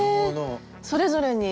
それぞれに？